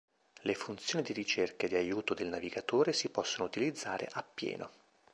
Le funzioni di ricerca e di aiuto del navigatore si possono utilizzare appieno.